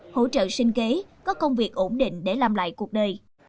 hỗ trợ sinh kế có công việc ổn định để làm lại cuộc đời